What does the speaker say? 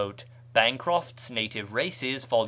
(Bancroft's "Native Races," vol.